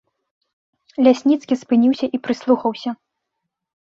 Лясніцкі спыніўся і прыслухаўся.